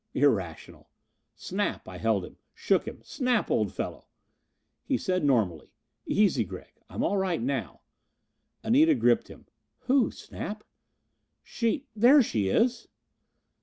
Irrational! "Snap!" I held him, shook him. "Snap, old fellow!" He said, normally. "Easy, Gregg. I'm all right now." Anita gripped him. "Who, Snap?" "She! There she is."